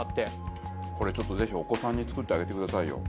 これちょっとぜひお子さんに作ってあげてくださいよ。